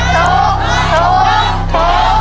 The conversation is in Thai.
ถูก